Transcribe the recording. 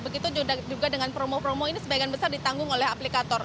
begitu juga dengan promo promo ini sebagian besar ditanggung oleh aplikator